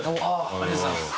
ありがとうございます。